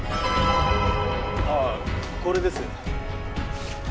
ああこれです。